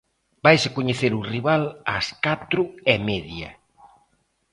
Vaise coñecer o rival ás catro e media.